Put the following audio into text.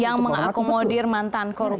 yang mengakomodir mantan koruptor